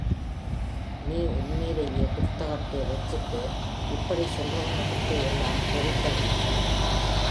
நீ உன் மேலேயே குத்தத்தே வச்சிக்கிட்டு இப்படி சொல்றவங்க கிட்டே எல்லாங் கோவிச்சிக்கலாமா?